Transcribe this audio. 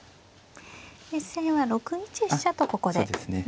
実戦は６一飛車とここで寄りましたね。